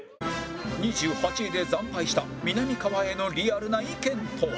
２８位で惨敗したみなみかわへのリアルな意見とは？